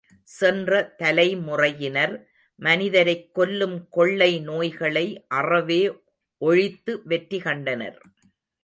சென்ற தலைமுறையினர், மனிதரைக் கொல்லும் கொள்ளை நோய்களை அறவே ஒழித்து வெற்றி கண்டனர்.